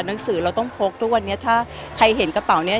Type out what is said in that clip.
หนังสือเราต้องพกทุกวันนี้ถ้าใครเห็นกระเป๋านี้